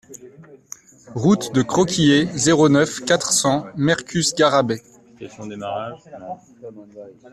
Route de Croquié, zéro neuf, quatre cents Mercus-Garrabet